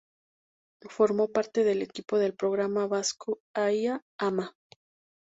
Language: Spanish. Formó parte del equipo del programa vasco "Ai ama!